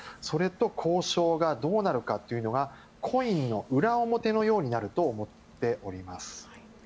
それと交渉がどうなるかというのがコインの裏表のようになると思っております。